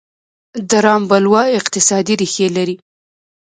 د رام بلوا اقتصادي ریښې لرلې.